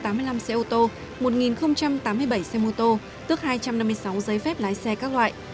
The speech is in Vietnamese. tạm giữ một trăm tám mươi năm xe ô tô một tám mươi bảy xe mô tô tức hai trăm năm mươi sáu giấy phép lái xe các loại